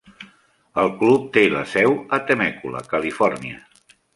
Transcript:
El club té la seu a Temecula, Califòrnia.